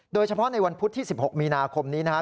โดยเฉพาะในวันพุธที่๑๖มีนาคมนี้นะครับ